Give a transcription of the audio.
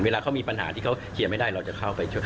เวลาเขามีปัญหาที่เขาเคลียร์ไม่ได้เราจะเข้าไปช่วย